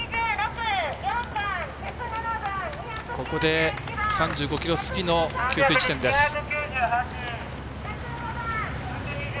ここで３５ｋｍ過ぎの給水地点です。